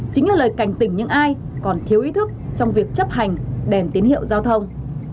chính là lời cảnh tỉnh những ai còn thiếu ý thức trong việc chấp hành đèn tín hiệu giao thông